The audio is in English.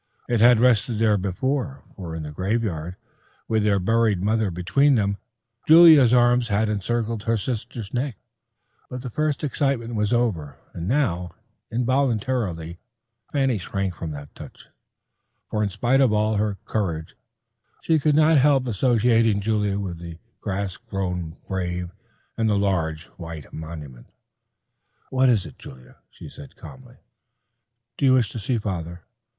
It had rested there before, for in the graveyard, with their buried mother between them, Julia's arms had encircled her sister's neck; but the first excitement was over, and now involuntarily Fanny shrank from that touch, for in spite of all her courage, she could not help associating Julia with the grass grown grave, and the large white monument. "What is it, Julia?" she said calmly. "Do you wish to see father?"